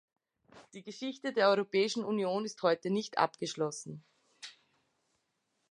Die Geschichte der Europäischen Union ist heute nicht abgeschlossen.